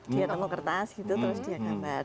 dia temu kertas gitu terus dia gambar